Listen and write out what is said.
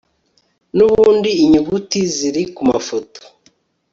Nubundi inyuguti ziri kumafoto